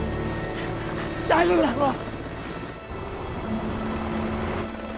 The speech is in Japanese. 大丈夫だもう